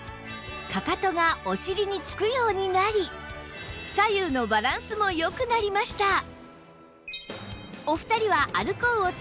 かかとがお尻につくようになり左右のバランスも良くなりました